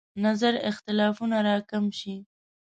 نظر اختلافونه راکم شي.